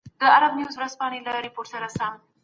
تاریخ یوازې د کیسو ټولګه نه ده.